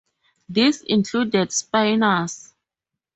This included spinors.